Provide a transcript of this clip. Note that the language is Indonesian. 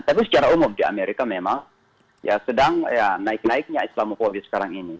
tapi secara umum di amerika memang ya sedang ya naik naiknya islamopoli sekarang ini